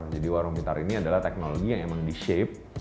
jadi warung pintar ini adalah teknologi yang emang di shape